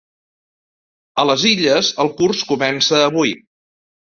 A les Illes el curs comença avui.